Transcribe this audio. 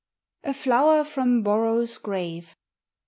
A FLOWER FROM BORROW'S GRAVE.